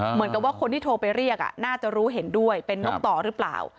เหมือนกับว่าคนที่โทรไปเรียกน่าจะรู้เห็นด้วยเป็นนกต่อหรือเปล่า